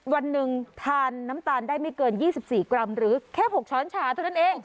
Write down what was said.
วันหนึ่งทานน้ำตาลได้ไม่เกิน๒๔กรัมหรือแค่๖ช้อนชาเท่านั้นเอง